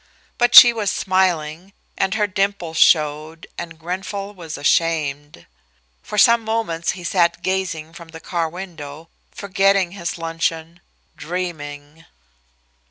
But she was smiling, and her dimples showed, and Grenfall was ashamed. For some moments he sat gazing from the car window forgetting his luncheon dreaming.